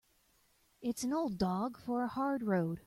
It's an old dog for a hard road.